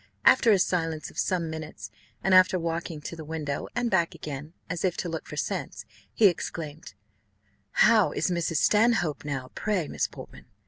After a silence of some minutes, and after walking to the window, and back again, as if to look for sense, he exclaimed, "How is Mrs. Stanhope now, pray, Miss Portman?